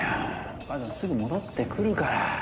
お母さんすぐ戻ってくるから。